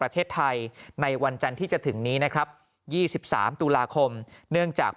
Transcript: ประเทศไทยในวันจันทร์ที่จะถึงนี้นะครับ๒๓ตุลาคมเนื่องจาก